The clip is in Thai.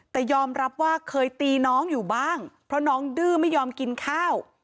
แต่ยอมรับว่าเคยตีน้องอยู่บ้างเพราะน้องดื้อไม่ยอมกินข้าว